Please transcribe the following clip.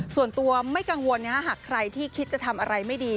ส่วนตัวไม่กังวลหากใครที่คิดจะทำอะไรไม่ดี